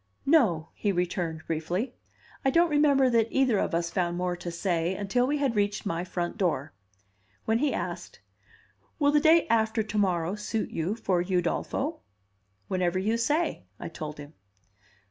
"No," he returned briefly. I don't remember that either of us found more to say until we had reached my front door, when he asked, "Will the day after to morrow suit you for Udolpho?" "Whenever you say," I told him.